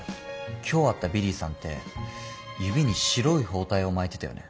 今日会ったビリーさんって指に白い包帯を巻いてたよね？